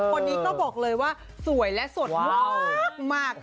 คนนี้ก็บอกเลยว่าสวยและสดมาก